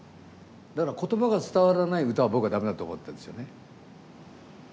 だから言葉が伝わらない歌は僕は駄目だと思ってるんですよね。